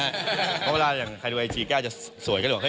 เพราะเวลาอย่างใครดูไอจีกล้าจะสวยกันหรือเปล่า